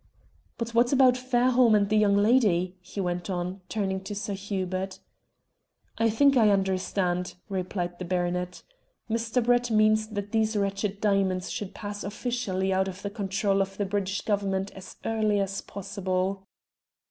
"But what about Fairholme and the young lady," he went on, turning to Sir Hubert. "I think I understand," replied the baronet. "Mr. Brett means that these wretched diamonds should pass officially out of the control of the British Government as early as possible."